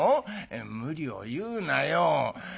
「無理を言うなよ」。